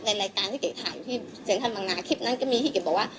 ในรายการที่เก๋ถ่ายอยู่ที่เซ็นทรัลบังนาคลิปนั้นก็มีที่เก๋บอกว่า